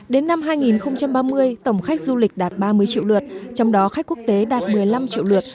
đến năm hai nghìn ba mươi tổng khách du lịch đạt ba mươi triệu lượt trong đó khách quốc tế đạt một mươi năm triệu lượt